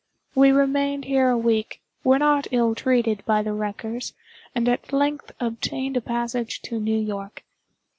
We remained here a week, were not ill treated by the wreckers, and at length obtained a passage to New York.